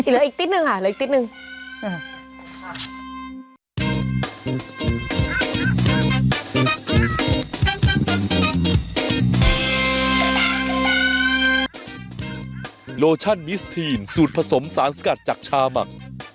หรืออีกติ๊ดหนึ่งค่ะหรืออีกติ๊ดหนึ่ง